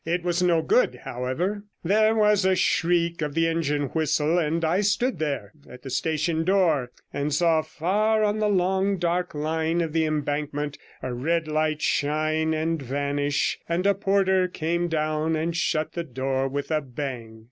It was no good, however; there was a shriek of the engine whistle, and I stood there at the station door and saw far on the long, dark line of the embankment a red light shine and vanish, and a porter came down and shut the door with a bang.